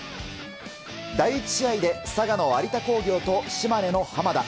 第１試合で佐賀の有田工業と島根の浜田。